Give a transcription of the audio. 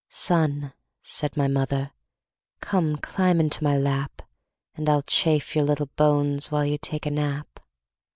"Son," said my mother, "Come, climb into my lap, And I'll chafe your little bones While you take a nap."